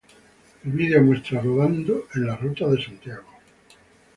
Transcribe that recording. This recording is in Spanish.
El video muestra rodando en las rutas de Santiago.